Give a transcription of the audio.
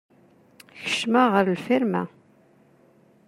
Keccmeɣ ɣer lfirma.